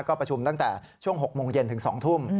ก็ประชุมตั้งแต่ช่วง๖โมงเย็นถึง๒ทุ่ม